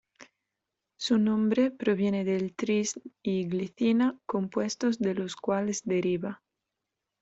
Su nombre proviene del tris y glicina, compuestos de los cuales deriva.